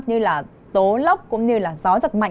như là tố lốc cũng như là gió giật mạnh